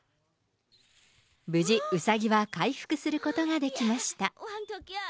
無事うさぎは回復することができました。